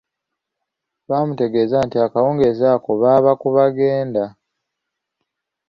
Baamutegeeza nti akawugeezi ako baaba ku bagende.